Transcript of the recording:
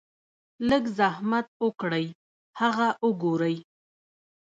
لږ زحمت اوکړئ هغه اوګورئ -